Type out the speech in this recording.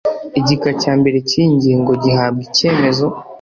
igika cya mbere cy iyi ngingo gihabwa Icyemezo